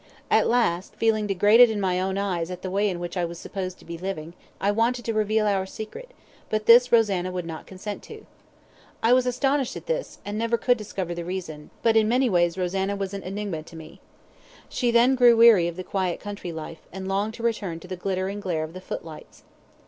At last, feeling degraded in my own eyes at the way in which I was supposed to be living, I wanted to reveal our secret, but this Rosanna would not consent to. I was astonished at this, and could never discover the reason, but in many ways Rosanna was an enigma to me. She then grew weary of the quiet country life, and longed to return to the glitter and glare of the footlights.